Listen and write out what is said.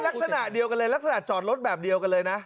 ลักษณะเดียวกันเลยลักษณะจอดรถแบบเดียวกันเลยนะ